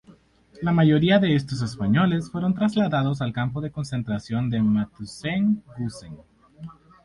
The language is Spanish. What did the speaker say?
La mayoría de estos españoles fueron trasladados al campo de concentración de Mauthausen-Gusen.